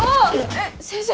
えっ先生。